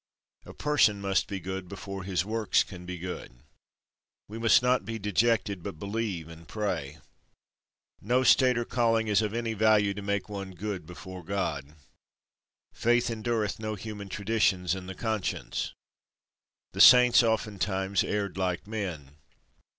A person must be good before his works can be good. We must not be dejected, but believe and pray. No State or Calling is of any value to make one good before God. Faith endureth no human traditions in the conscience. The Saints oftentimes erred like men.